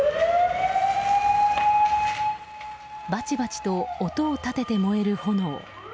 バチバチと音を立てて燃える炎。